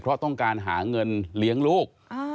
เพราะต้องการหาเงินเลี้ยงลูก